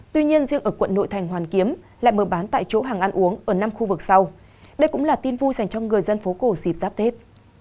tuy nhiên riêng ở quận nội thành hoàn kiếm lại mở bán tại chỗ hàng ăn uống ở năm khu vực sau đây cũng là tin vui dành cho người dân phố cổ dịp giáp tết